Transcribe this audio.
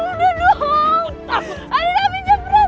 udah berantem udah seterang